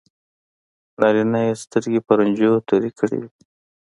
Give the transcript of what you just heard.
نارینه یې سترګې په رنجو تورې کړې وي.